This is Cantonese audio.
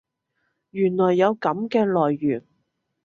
原來有噉嘅來源